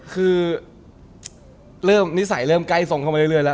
คือเริ่มนิสัยเริ่มใกล้ทรงเข้ามาเรื่อยแล้ว